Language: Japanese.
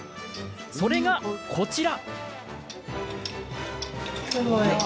それが、こちら。